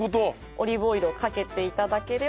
オリーブオイルをかけて頂ければ。